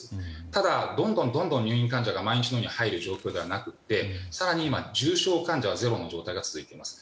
ただどんどん入院患者が毎日のように入る状況ではなく更に今重症患者がゼロの状態が続いています。